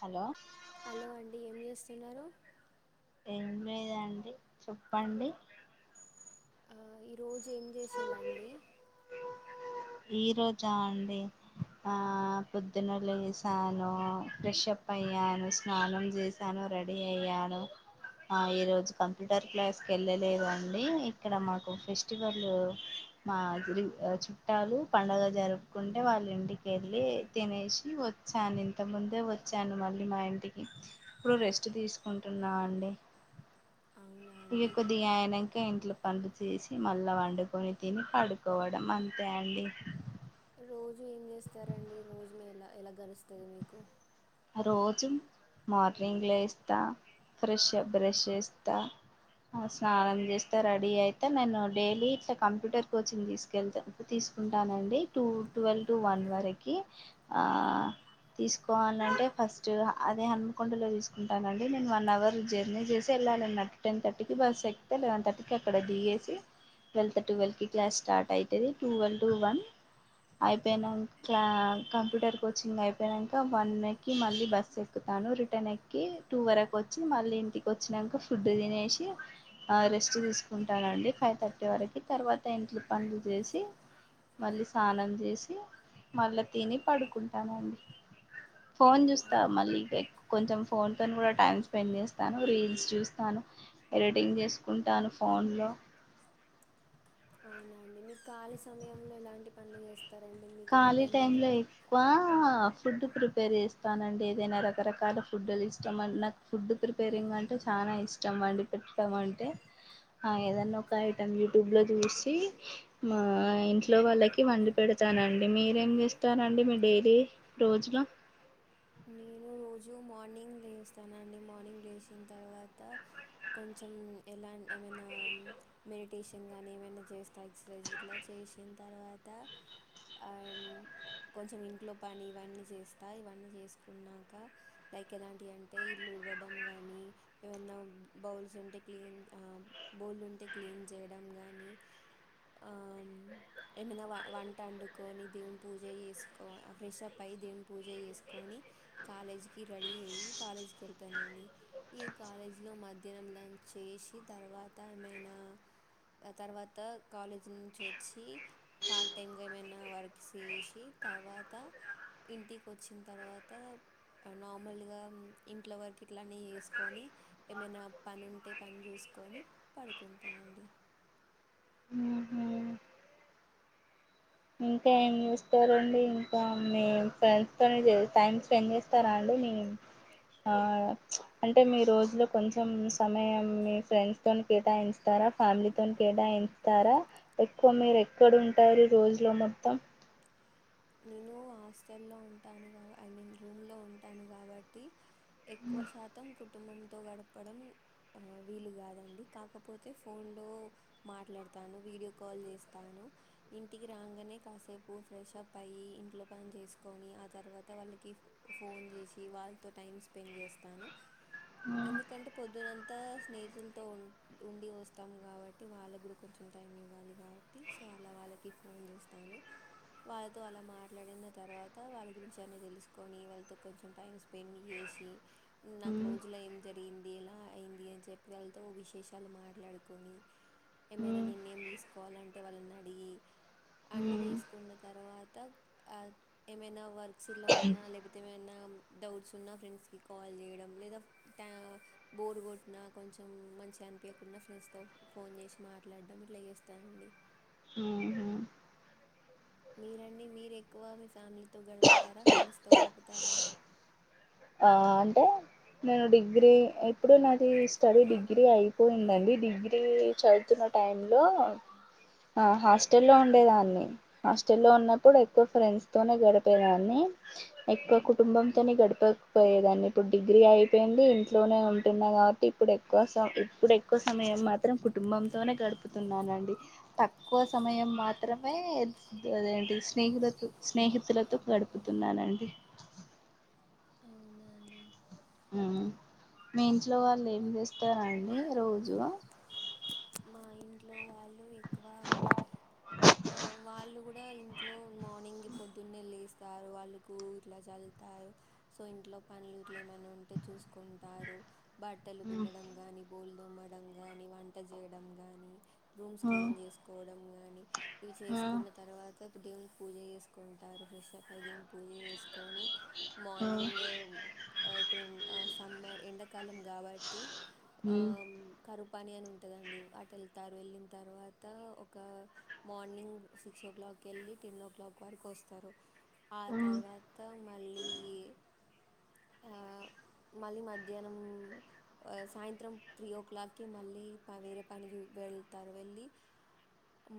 Hello. Hello అండి ఏం చేస్తున్నారు. ఏం లేదండి చెప్పండి. ఆహ్ ఈ రోజు ఏం చేసిలాండి. ఈ రోజా అండి. ఆ పొద్దునే లేసాను ఫ్రెష్ప్ అయ్యాను స్నానం చేసాను రెడీ అయను ఆ ఈ రోజు కంప్యూటర్ క్లాస్ కి వెళ్ళలేదు అండి ఇక్కడ మాకు ఫెస్టివల్ మాదిరి చు పట్టాలు పండగ జరుపుకుంటే వాళ్ళ ఇంటికి వెళ్ళి తినేసి వచ్చాను ఇంతముందే వ వచ్చాను మళ్ళీ మా ఇంటికి ఇప్పుడు రెస్ట్ తీసుకుంటున్నా అండి [inaudible] ఇక అండి కొద్దిగా అయినాక ఇంట్లో పనులు చేసి మళ్ళా వండుకొని తిని పడుకోవడం అంతే అండి రోజు ఏం చేస్తారండి రోజు మీ ఎలా ఎలా గడుస్తుంది మీకు రోజు మార్నింగ్ లేస్త ఫ్రెష్ బ్రష్ వేస్తా స్నానం చేస్తే రెడీ అయితే నేను డైలీ ఇట్లా కంప్యూటర్ కోచింగ్ తీసుకెళ్తా తీసు తీసుకుంటానండి టూ ట్వెల్వ్ టు వన్ వరకు ఆ తీసుకోవాలంటే అంటే ఫస్ట్ అదే హన్మకొండలో తీసుకుంటానండి నేను వన్ అవర్ జర్నీ చేసి వెళ్ళాలండి అట్టు టెన్ కట్ బస్సు ఏ కొత్తగా ఎలావెన్ థర్టీ కి అక్కడ దిగేసి ట్వెల్త్ ట్టువెల్కి క్లాస్ స్టార్ట్ అవుతుది టువల్ టు వన్ అయిపోయినాక క్లా కంప్యూటర్ కోచింగ్ అయిపోనాక వన్ వక్ మళ్ళీ బస్ ఎక్కుతాను రిటర్న్ ఎక్కి టూ వరకు వచ్చి మళ్ళీ ఇంటికి వచ్చినాక ఫుడ్ తినేసి రెస్ట్ తీసుకుంటానండి ఫైవ్ థర్టీ వరకు తర్వాత ఇంట్లో పండ్లు చేసి మళ్ళీ స్నానం చేసి మళ్ళా తిని పడుకుంటానండి ఫోన్ ఆ, చూస్తా మళ్ళీ కొంచెం ఫోన్తో కూడా టైం స్పెండ్ చేస్తాను రీల్స్ చూస్తాను ఎడిటింగ్ చేసుకుంటాను ఫోన్లో [inaudible] అవునండి మీకు ఖాళీ సమయంలో ఇలాంటి పనులు చేస్త ఖాళీ టైం లో ఎకువ ఫుడ్ ప్రిపేర్ చేస్తానండి ఏదైనా రకరకాల ఫుడ్లు ఇష్టాం నాకు ఫుడ్ ప్రిపేరింగ్ అంటే చాలా నా ఇష్టం అండి పెట్మంటే ఆ ఏదన్న ఒక ఐటెం యూట్యూబ్ లో చూసి మా ఇంట్లో వాళ్ళకి వండి పెడత ఇస్తానండి మీరేం చేస్తారండి మీ డైలీ రోజులు నేను రోజు మార్నింగ్ లేస్తానండి మార్నింగ్ లేచిన తర్వాత కొంచెం ఎలాంటి ఏమైనా మెడిటేషన్ కానీ ఏమైనా చేస్తా ఎక్ససైజ్ ఇట్లా చేసిన తర్వాత అండ్ కొంచెం ఇంట్లో పని ఇవన్నీ చేస్తా ఇవన్నీ చేసు న్నాక లైక్ ఎలాంటి అంటే ఇల్లు ఉడవడం గానీ ఏమనా బౌల్స్ ఉంటే క్ బోల్ ఉంటే క్లీన్ చేయడం కానీ ఆ ఏమైనా వంట వండుకోని దేవుని పూజ చేసుకో ఆ ఫ్రెష్ప్ అయి దేవుని పూజ చేసుకొని కాలేజీకి రెడీ అయ్యి కాలేజీకి వెళ్తానండి ఈ కాలేజీలో మధ్యాహ్నం లంచ్ చేసి తర్వాత ఏమైనా ఆ తర్వాత కాలేజ్ నుంచి వచ్చి పార్ట్ టైమ్గా ఏమైనా వర్క్ చేసి తర్వాత ఇంటికి వచ్చిన తర్వాత నార్మల్ గా ఇంట్లో వరకు ఇట్లానే వేసుకొని ఏమైనా పని ఉంటే పని చూసు కొని పడుకుంటానండి ఊహూ ఇంకా ఏం చూస్తారంండి ఇంకా మీ ఫ్రెండ్స్ తోని టైమ్ స్పెండ్ చేస్తారా అండి మ్మ్ ఆ అంటే మీ రోజులో కొంచెం సమయం మీ ఫ్రెండ్స్ తోని కేటాయిస్తా తర ఫ్యామిలీతోని కేటయించుతర ఎక్కువ మీరు ఎక్కవ ఉంటరు రోజు లో మొత్తం నేను హాస్టల్ లో ఉంటాను ఐ మీన్ రూమ్ లో ఉంటాను కాబట్టి ఎక్కువ శాతం కు టుంబంతో గడపడం ఆ వీలు కాదండి కాకపోతే ఫోన్ లో మాట్లాడు తాను వీడియో కాల్ చేస్తాను ఇంటికి రాగానే కాసేపు ఫ్రెష్ప్ అయి ఇంట్లో పని చేసుకొని ఆ తర్వాత వాళ్ళకి ఫోన్ చేసి వాళ్ళతో టైం స్పెండ్ చేస్తాను హ్మ్, ఎందుకంటే పొద్దునంతా స్నేహితులతో ఉ ఉండి వస్తాము కాబట్టి వాళ్ళతో కూడా కొంచెం టైం ఇవ్వాలి కాబట్టి సో అలా వాళ్ళకి ఫోన్ చేస్తాను వాళ్ తో అలా మాట్లాడిన తర్వాత వాళ్ళ గురించి అన్నీ తెలుసుకొని వాళ్ళతో కొంచెం టైం స్పెండ్ చేసి నాక్ హ్మ్, రోజులో ఏం జర్ ఏంది ఎలా అయింది అని చెప్పి వెళ్ళతో ఓ విశేషాలు మాట్లాడుకొని ఏమైనా హ్మ్, నిర్ణయం తీసుకోవాలంటే వాళ్ళని అడిగి అన్ని హ్మ్, చేసుకున్న అ ఏమైనా వర్క్స్ ఇలా ఉన్నా లేకపోతే ఏమైనా డౌట్స్ ఉన్నా ఫ్రెండ్స్కి కాల్ చేయడం లేదా ట బోర్ కొట్టిన కొంచెం మంచిగా అనిపియకున్న ఫ్రెండ్స్తోో ఫోన్ చేసి మాట్లాడడం ఇట్లా చేస్తానండి ఆ హ మీరంీ మీరు ఎక్కువ మీ ఫ్యామిలీతో గడుపుతారా ఫ్రెండ్స్తో గడుపుతారా ఆ అంటే నేను డిగ్రీ ఎప్పుడు నాది స్టడీ డిగ్రీ అయిపోయిందండి డిగ్రీ చదువుతున్నా టైమ్ లో ఆ హాస్టల్లో ఉండేదాన్ని హాస్టల్లో ఉన్నప్పుడు ఎక్కువ ఫ్రెండ్స్ తోనే గడిపేదాన్ని ఎక్కువ కుటుంబంతోనే గడుప్ పోయేదాన్ని ఇప్పుడు డిగ్రీ అయిపోయింది ఇంట్లోనే ఉంటున్నా కాబట్టి ఇప్పుడు ఎ క్కువ స ఇప్పుడు ఎక్కువ సమయం మాత్రం కుటుంబంతోనే గడుపుతున్నానండి తక్కువ సమయం మాత్రమే అదేంటి స్నేహిలతో స్నేహితులతో గడుపుతున్నానండి అవునా అండి మ్ మీ ఇంట్లో వాళ్ళు ఏం చేస్తారండి రోజు మా ఇంట్లో వాళ్ళు ఎక్కువ ఆ వాళ్ళు కూడా ఇంట్లో మార్నింగ్ పొద్దున్నే వెళ్ళస్తారు వాళ్ళలకు ఇట్లా చ వెళ్తారు సో ఇంట్లో పనులు ఇట్లా ఏమన్న ఉంటే చూసుకుంటారు బట్టలు పిండడం కానీ బోళ్ళు దొమడం కానీ వంట చేయడం కానీ రూమ్స్ క్లీన్ చేసుకోవడం కానీ ఇవి ఆ చేసుకున్న తర్వాత దేవుని పూజ చేసుకుంటారు ఫ్రెష్ అప్ అయి ద పూజ చేసుకొని ఆ మార్నింగ్ ఇప్పుడు సమ్మర్ ఎండకాలం కాబట్టి ఆ కరువ్ పని అని ఉంటుందండి అటు వెళ్తారు వెళ్ళిన తర్వాత ఒక మార్నింగ్ సిక్స్ ఓ క్లాక్ వెళ్ళి టెన్ ఓ క్లాక్ వరకు వస్తారు ఆ తర్వాత మళ్ళీ ఆ మళ్ళీ మధ్యా నం సాయంత్రం త్రీ ఓ క్లాక్కిి మళ్ళీ వేరే పనికేళ్తారు వెళ్ళి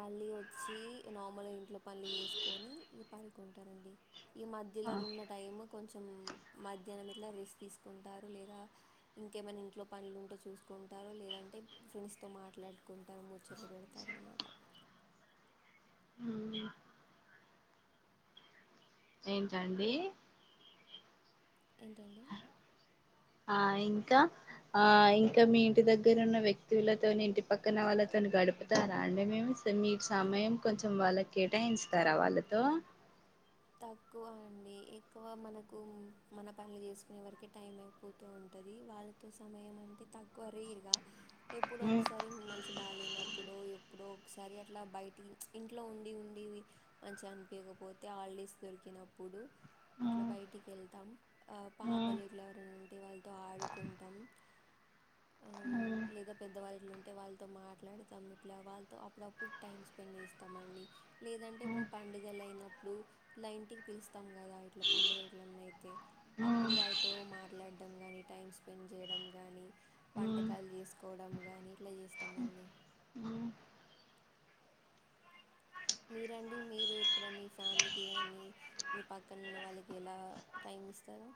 మళ్ళీ వచ్చి నార్మల్ ఇంట్లో పనులు చేేసుకొని ఇగ పడుకుంటారండి ఈ మధ్యలో ర ఉన్న టైము కొంచెం మధ్యాహ్నం ఇట్లా రెస్ట్ తీసుకుంటారు లేదా ఇంకేమనా ఇంట్లో పనులు ఉంటే చూసుకుంటారు లేదంటే ఫ్రెండ్స్ తో మాట్లాడుకుంటారు ముచ్చట్లు పె పెడతారణమాట ఆ ఏంటండి ఏంటండి ఆ ఇంకా ఆ ఇంకా మీ ఇంటి దగ్గరున్న వ్యక్తులతో ఇంటి పక్కన వాళ్ళతో కొ గడుపుతారా అండే మేము మీ సమయం కొంచెం వాళ్ళకు కేటాయించుతారా వాళ్ళతో తక్కువ అండి ఎక్కువ మనకు మన పనులు చేసుకునే వరకే టైం అయిపోతూ ఉంటుంది ఉంటది వాళ్ళతో సమయం అంటే తక్కువ రేర్ గా ఎప్పుడు ఉ ఒకసారి మనసు బాగాలేనప్పుడు ఎప్పుడో ఒకసారి అట్లా బయటి ఇంట్లో ఉండి ఉండి మంచిగా అనిపియకపో పోతే హాలిడే హాలిడేస్ దొరికినప్పుడు ఉ అప్పుడు బయటికి వెళ్దాం అ ఉ పాపలు ఇట్లా ఎవరన్నా ఉంటే వాళ్లతో అ ఆడుకుంటాం ఉ లేదా పెద్దవాళ్ళ ఎవరేనా ఉంటే వాళ్ళతో మాట్లాడుతాం ఇట్లా వాళ్ళతో అప్పుడప్పుడు టైమ్ స్పెండ్ చేస్తామండి లేదంటే ఇప్పుడు పండుగలు అయినప్పుడు ల ఇంటికి పిలుస్తాం కదా ఇట్లా పండుగ ఇట్లన్నా అయితే అప్పుడు వాళ్లతో మాట్లాడం గాని టైం స్పెండ్ చేయడం కానీ ఉ వంటకాలు చేసుకోవడం కానీ ఇట్లా చేస్తామండి ఉ ఉ మీరండి మీరు ఇప్పుడ మీ ఫ్యామిలీకి గానీ మీ పక్కన ఉన్న వాళ్ళకి ఎలా టైం ఇస్తారు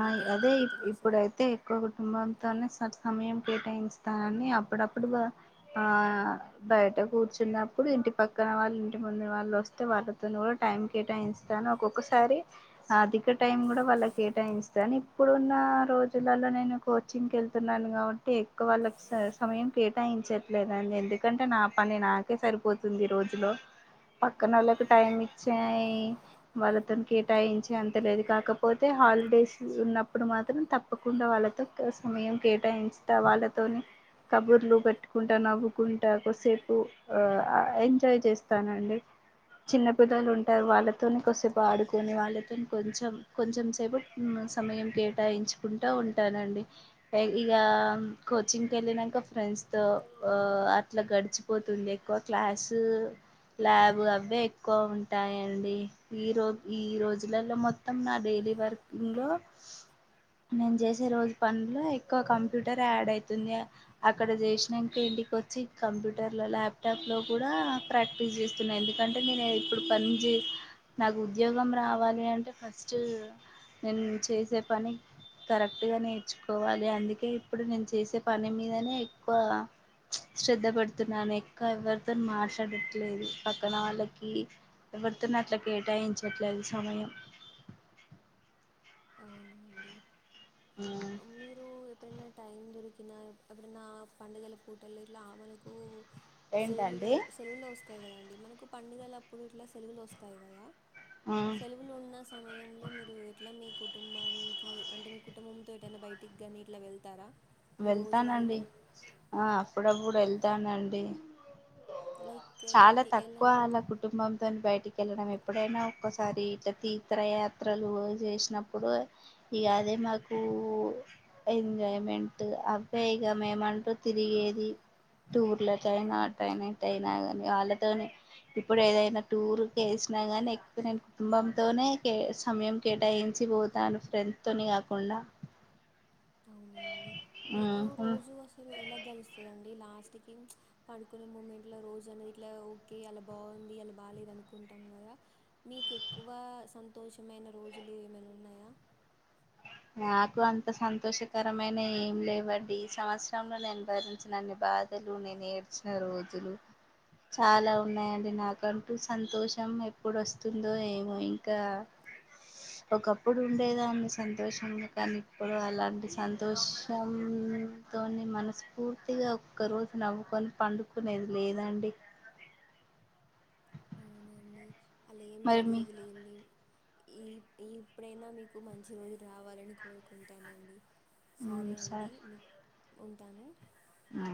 మీకు టైం అదే దొరుకుతుందా అసలు ఇప్పుడైతే ఎక్కువ కుటుంబంతోనే స సమయం కేటాయించతానని అప్పుడప్పుడు ఆ బయట కూర్చున్నప్పుడు ఇంటి పక్కన వాళ్ళు ఇంటి ముందు వాళ్ళు వస్తే వాళ్ళతోని కూడా టైం కేటాయిస్తాను ఒక్కొక్కసారి అధిక టైం కూడా వాళ్ళకి టైం ఇస్తాను ఇప్పుడున్న రోజులలో నేను కోచింగ్కి వెళ్తున్నాను కాబట్టి ఎక్కువ వాళ్ళకి స సమయం కేటాయించట్లేదండి ఎందుకంటే నా పని నాకే సరిపోతుంది రోజులో పక్కనోళ్లకి టైం ఇచ్చాయి వాళ్ళతోని కేటాయించి అంతలేదు కాకపోతే హల్ సు ఉన్నప్పుడు మాత్రం తప్పకుండా వాళ్ళతో సమయం కేటాయించుతా వాళ్ళతోని కబుర్లు పెట్టుకుంటా నవ్వుకుంటా కోసేపు ఆ ఎంజాయ్ చేస్తానండి చిన్న పిల్లలు ఉంటారు వాళ్ళతోని కోసేపు ఆడుకొని వాళ్ళతో కొంచెం కొంచెం సేపు హ్మ్ సమయం కేటాయించుకుంటూ ఉంటానండి ఇక కోచింగ్కి వెళ్ళినా ఇంకా ఫ్రెండ్స్ తో ఆ అట్లా గడిచిపోతుంది ఎక్కువ క్లాసు ల్యాబ్ అవే ఎక్కువ ఉంటాయండి ఈ రోజ ఈ రోజులలో మొత్తం నా డైలీ వర్క్ ఇంట్లో నేను చేసే రోజు పనులో ఎక్కువ కంప్యూటర్ యాడ్ అయితుంది అక్కడ చేసినాక వెళ్ళ వచ్చి కంప్యూటర్లో ల్యాప్టాప్ లో కూడా ప్రాక్టీస్ చేస్తున్నా ఎందుకంటే నేను ఇప్పుడు పని జ్ నాకు ఉద్యోగం రావాలి అంటే ఫస్ట్ నేను చేసే పని కరెక్ట్ గా నేర్చుకోవాలి అందుకే ఇప్పుడు నేను చేసే పని మీదనే ఎక్కువ శ్రద్ధ పెడుతున్నాను ఎక్క ఎవరితో మాట్లాడట్లేదు పక్కన వాళ్ళకి ఎవరితోని అట్లా కేటాయించట్లేదు సమయం అవునండి మీరు ఎప్పుడైనా టైం దొరికినా ఎప్పుడైనా పండుగల పూటల్లో ఇట్లా ఆవనకు సెలవులు ఏంటండి సెలవులు వస్తాయి కదాండి మనకు పండుగల అప్పుడు ఇట్లా సెలవులు వస్తాయి కదా సెలవులు ఉన్న సమయంలో మీరు ఎట్లా మీ కుటుంబానికి అంటే మీ కుటుంబంతో ఏటైనా బయటికి నీ ఇట్లా వెళ్తారా మీ వెళ్తానండి రోజువారీలో ఆ అప్పుడప్పుడు వెళ్తానండి లైక్ చాలా ఎలాంటి తక్కువ ఎలాంటివి అలా కుటుంబంతోని బయటికి వెళ్ళడం ఎప్పుడైనా ఒక్కసారి ఇలా తీథ్రయాత్రలు చేసినప్పుడు ఇగదే మాకు ఎంజాయ్మెంట్ ట్ అవ్వె ఇగ మేమంటు తిరిగేది టూర్ల కైన అటైన ఇటైన గని వాళ్ళతోనే ఇప్పుడు ఏదైన టూరు కేస్ అయినా గని ఎక్స్పీరియన్స్ కుటుంబంతోనే సమయం కేటాయించి పోతాను ఫ్రెండ్స్ తొని కాకుండా అ అవునా అండి మీకు రోజు అసలు ఎలా గెలుస్తుందిం డి లాస్ట్ కి పడుకునే మూమెంట్ లో రోజు అనేది ఇట్లా ఓకే ఇయాల బావుంది ఇయాల బాలేద్ అనుకుం టం గదా మీకు ఎక్కువ సంతోషమైన రోజులు ఏమైన ఉన్నయా [inaudible] నాకు అంత సంతోషకరమైనయ్ ఏం లేవండి ఈ సంవత్సరంలో నేను భరించినన్ని బాద్ ధలు నేనేడ్చిన రోజులు చాలా ఉన్నాయండి నాకంటూ సంతోషం ఎప్పుడు ఒస్తుందో ఏమో ఇంకా ఒకప్పుడు ఉండేదాన్ని సంత్ తోషంగా కని ఇప్పుడు అలాంటి సంతోషం తోని మనస్ఫూర్తిగా ఒక్క రోజు నవ్వుకొని పండుకునేది లేదండి [inaudible] అవునా అండి అలా ఏం మరి మీ జరగదు లేండి ఈ ఇప్పుడైనా మీకు మంచి రోజులు రావాలని కోరుకుంటానండి సరే అండి మీక్ ఉంటాను ఆ